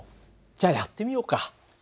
じゃあやってみようか。